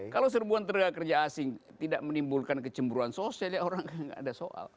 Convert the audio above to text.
kalau serbuan tenaga kerja asing tidak menimbulkan kecemburuan sosial ya orang nggak ada soal